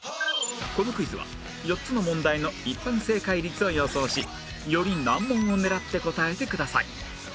このクイズは４つの問題の一般正解率を予想しより難問を狙って答えてください